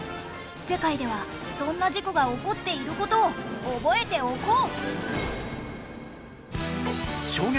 世界ではそんな事故が起こっている事を覚えておこう！